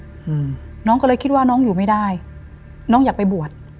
อืมน้องก็เลยคิดว่าน้องอยู่ไม่ได้น้องอยากไปบวช